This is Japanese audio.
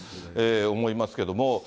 思いますけれども。